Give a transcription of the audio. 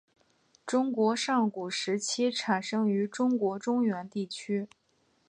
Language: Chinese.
中国上古时期产生于中国中原地区。